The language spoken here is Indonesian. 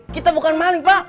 kita bukan maling pak